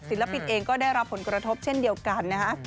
ศิลปินเองก็ได้รับผลกระทบเช่นเดียวกันนะฮะ